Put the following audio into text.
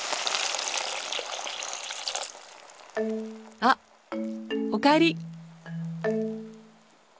あっおかえり！